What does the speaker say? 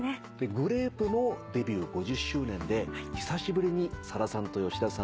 グレープもデビュー５０周年で久しぶりにさださんと吉田さん